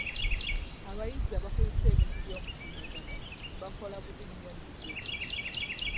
Abayizi abakozesa ebintu by'omutimbagano bakola bubi nnyo mu bigezo.